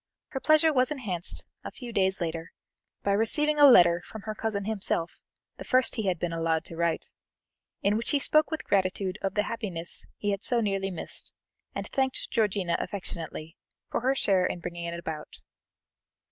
Her pleasure was enhanced, a few days later, by receiving a letter from her cousin himself, the first he had been allowed to write, in which he spoke with gratitude of the happiness he had so nearly missed, and thanked Georgiana affectionately for her share in bringing it about.